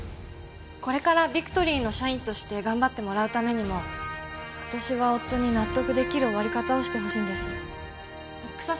これからビクトリーの社員として頑張ってもらうためにも私は夫に納得できる終わり方をしてほしいんです草